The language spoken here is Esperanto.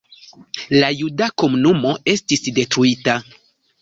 La juda komunumo estis detruita.